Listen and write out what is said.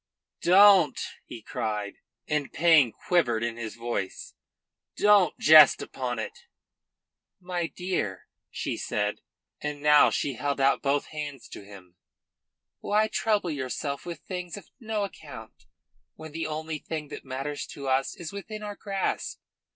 "Don't!" he cried, and pain quivered in his voice. "Don't jest upon it." "My dear," she said, and now she held out both hands to him, "why trouble yourself with things of no account, when the only thing that matters to us is within our grasp?